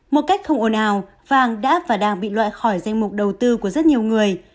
một cách không ồn ào vàng đã và đang bị loại khỏi danh mục đầu tư của rất nhiều người